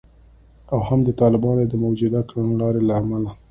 او هم د طالبانو د موجوده کړنلارې له امله